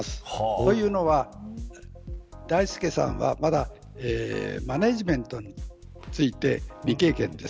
というのは大輔さんはまだマネジメントについて未経験です。